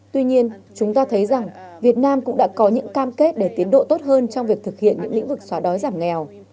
tuy nhiên chúng ta thấy rằng việt nam cũng đã có những cam kết để tiến độ tốt hơn trong việc thực hiện những lĩnh vực xóa đói giảm nghèo